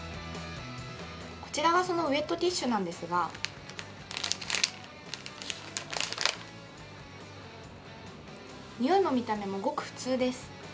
こちらがそのウエットティッシュなんなですが、においも見た目もごく普通です。